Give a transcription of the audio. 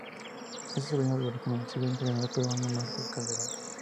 Es sobrino del reconocido entrenador peruano Marcos Calderón.